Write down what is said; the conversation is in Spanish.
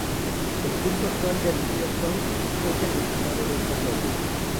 El curso actual del río Tone es el resultado de estas obras.